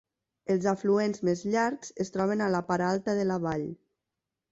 Els afluents més llargs es troben a la part alta de la vall.